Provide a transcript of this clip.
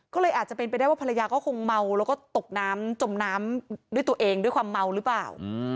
ก็เลยอาจจะเป็นไปได้ว่าภรรยาก็คงเมาแล้วก็ตกน้ำจมน้ำด้วยตัวเองด้วยความเมาหรือเปล่า